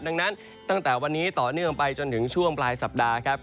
ดังนั้นตั้งแต่วันนี้ต่อเนื่องไปจนถึงช่วงปลายสัปดาห์ครับ